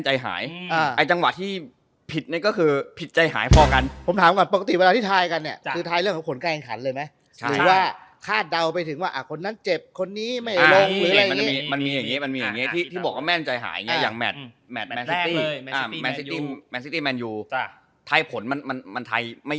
หายอ่าไอ้จังหวะที่ผิดเนี่ยก็คือผิดใจหายพ่อกันผมถามก่อนปกติเวลาที่ทายกันเนี่ยจ้ะคือทายเรื่องของผลแกล้งขันเลยไหมใช่หรือว่าคาดเดาไปถึงว่าอ่าคนนั้นเจ็บคนนี้ไม่รู้หรืออะไรอย่างงี้มันมีอย่างงี้มันมีอย่างงี้ที่ที่บอกว่าแม่นใจหายอย่างงี้อ่าอย่างแม่นแม่นแม่นแม